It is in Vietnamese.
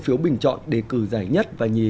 phiếu bình chọn đề cử giải nhất và nhì